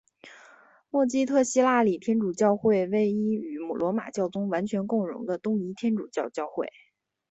默基特希腊礼天主教会为一与罗马教宗完全共融的东仪天主教教会。